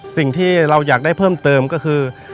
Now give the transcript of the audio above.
สิ่งที่เราอยากได้เพิ่มเติมก็คือ